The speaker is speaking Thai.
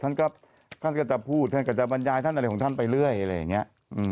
ท่านก็จะพูดท่านก็จะบรรยายท่านอะไรของท่านไปเรื่อยอะไรอย่างนี้